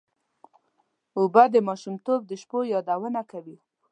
اوبه د ماشومتوب د شپو یادونه کوي.